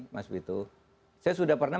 mas vito saya sudah pernah